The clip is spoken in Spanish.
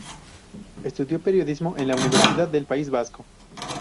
Estudió Periodismo en la Universidad del País Vasco.